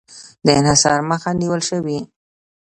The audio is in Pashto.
د انحصار مخه نیول شوې؟